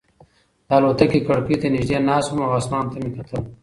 د الوتکې کړکۍ ته نږدې ناست وم او اسمان مې کتل.